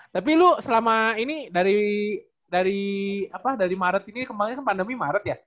tapi lu selama ini dari maret ini kemarin kan pandemi maret ya